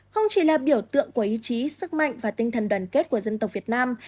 không chỉ là biểu tượng của ý chí sức mạnh và tinh thần đoàn kết của dân tộc việt nam